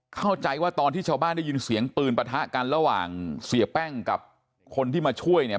เข้าใจว่าตอนที่ชาวบ้านได้ยินเสียงปืนปะทะกันระหว่างเสียแป้งกับคนที่มาช่วยเนี่ย